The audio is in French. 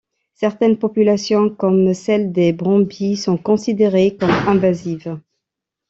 Certaines populations, comme celle des brumbies, sont considérées comme invasives.